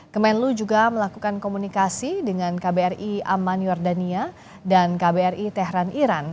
kemenlu juga melakukan komunikasi dengan kbri aman jordania dan kbri tehran iran